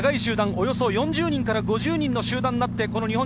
長い集団、およそ４０人から５０人の集団。